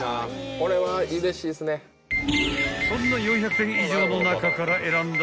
［そんな４００点以上の中から選んだ］